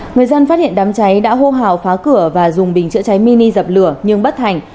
người dân phát hiện đám cháy đã hô hào phá cửa và dùng bình chữa cháy mini dập lửa nhưng bất thành